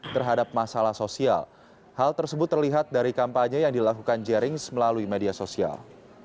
terhadap masalah sosial hal tersebut terlihat dari kampanye yang dilakukan jerings melalui media sosial